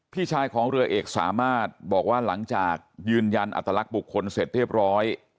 พี่ชายของเรือเอกสามารถบอกว่าหลังจากยืนยันอัตลักษณ์บุคคลเสร็จเรียบร้อย